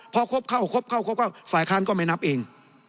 พอครบเข้าครบเข้าครบก็ฝ่ายค้านก็ไม่นับเอง